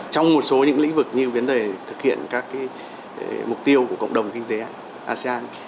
trong một số những lĩnh vực như vấn đề thực hiện các mục tiêu của cộng đồng kinh tế asean